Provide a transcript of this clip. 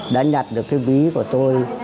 đã nhặt được cái ví của tôi